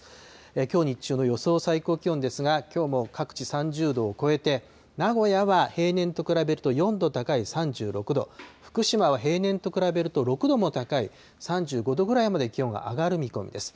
きょう日中の予想最高気温ですが、きょうも各地、３０度を超えて、名古屋は平年と比べると４度高い３６度、福島は平年と比べると、６度も高い３５度ぐらいまで気温が上がる見込みです。